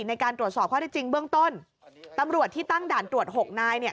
ในการตรวจสอบข้อได้จริงเบื้องต้นตำรวจที่ตั้งด่านตรวจหกนายเนี่ย